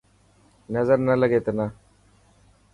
نظر نا لڳي تنا.